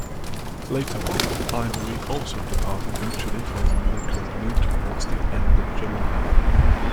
Later on, Ivory also departed mutually from the company towards the end of July.